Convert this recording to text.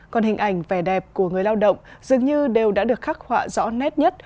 còn hình ảnh vẻ đẹp của người lao động dường như đều đã được khắc họa rõ nét nhất